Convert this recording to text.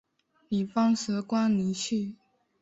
李芳辞官离去。